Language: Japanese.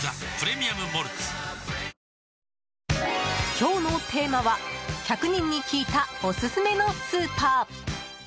今日のテーマは１００人に聞いたオススメのスーパー。